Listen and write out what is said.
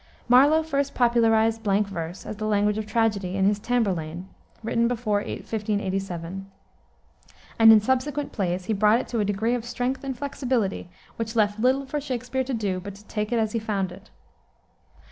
Marlowe first popularized blank verse as the language of tragedy in his Tamburlaine, written before 1587, and in subsequent plays he brought it to a degree of strength and flexibility which left little for Shakspere to do but to take it as he found it.